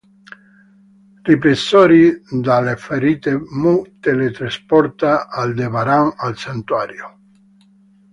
Ripresosi dalle ferite, Mu teletrasporta Aldebaran al Santuario.